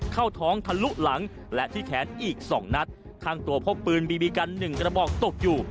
ข้างตัวพกปืนบีบีกันหนึ่งกระบอกตกอยู่